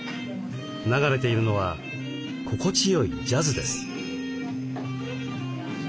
流れているのは心地よいジャズです。